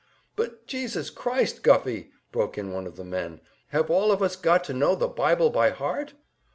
"But Jesus Christ, Guffey," broke in one of the men, "have all of us got to know the Bible by heart?"